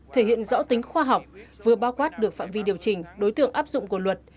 thể hiện rõ tính khoa học vừa bao quát được phạm vi điều chỉnh đối tượng áp dụng của luật